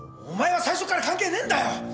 お前は最初から関係ねえんだよ！